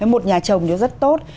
một nhà trồng nó rất tốt